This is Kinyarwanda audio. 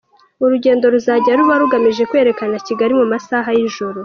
Urugendo ruzajya ruba rugamije kwerekana Kigali mu masaha y’ijoro.